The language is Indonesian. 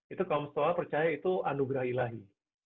itu kaum stoa percaya itu anugerah ilahi